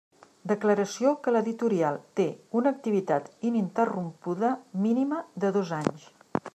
Declaració que l'editorial té una activitat ininterrompuda mínima de dos anys.